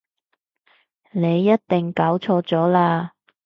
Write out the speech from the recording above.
你一定搞錯咗喇